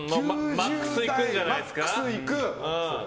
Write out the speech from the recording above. マックスいくんじゃないですか。